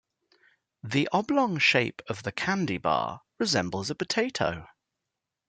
The oblong shape of the candy bar resembles a potato.